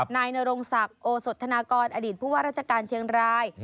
นายนรงศักดิ์โอสธนากรอดีตผู้ว่าราชการเชียงราย